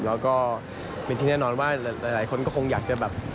แล้วก็เป็นที่แน่นอนว่าหลายคนก็คงอยากจะแบบ